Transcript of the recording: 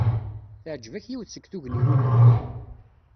Teɛjeb-ak yiwet seg tugniwin-a?